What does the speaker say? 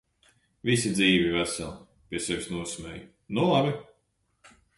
Visi dzīvi, veseli! Pie sevis nosmēju: "Nu labi!".